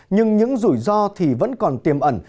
nhưng những rủi ro thì vẫn còn tiềm ẩn